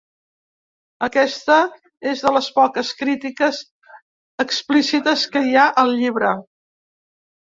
Aquesta és de les poques crítiques explícites que hi ha al llibre.